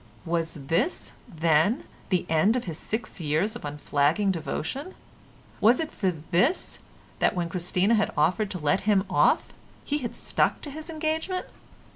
Was this, then, the end of his six years of unflagging devotion? Was it for this that when Christina had offered to let him off, he had stuck to his engagement?